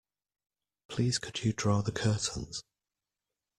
Please could you draw the curtains?